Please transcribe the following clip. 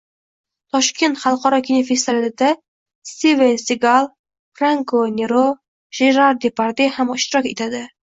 Toshkent xalqaro kinofestivalida Stiven Sigal, Franko Nero, Jerar Deparde ham ishtirok etadi